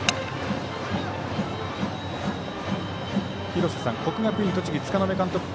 廣瀬さん、国学院栃木の柄目監督